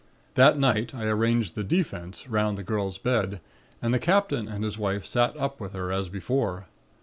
"That night I arranged the 'Defense' 'round the girl's bed and the Captain and his wife sat up with her as before.